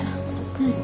うん。